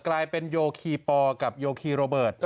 กลายเป็นโยคีปอลกับโยคีโรเบิร์ต